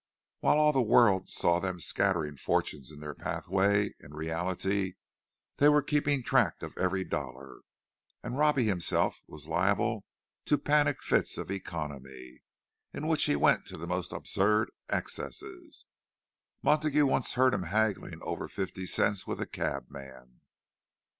While all the world saw them scattering fortunes in their pathway, in reality they were keeping track of every dollar. And Robbie himself was liable to panic fits of economy, in which he went to the most absurd excesses—Montague once heard him haggling over fifty cents with a cabman.